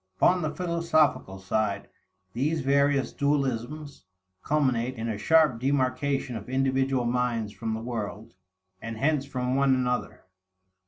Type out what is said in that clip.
Upon the philosophical side, these various dualisms culminate in a sharp demarcation of individual minds from the world, and hence from one another.